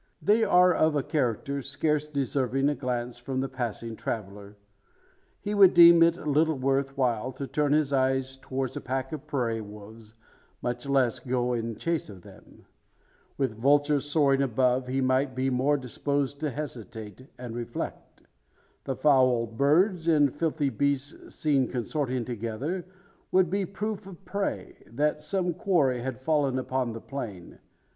They are of a character scarce deserving a glance from the passing traveller. He would deem it little worth while to turn his eyes towards a pack of prairie wolves, much less go in chase of them. With vultures soaring above, he might be more disposed to hesitate, and reflect. The foul birds and filthy beasts seen consorting together, would be proof of prey that some quarry had fallen upon the plain.